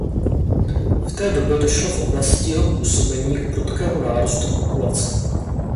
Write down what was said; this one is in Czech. V té době došlo v oblasti jeho působení k prudkému nárůstu populace.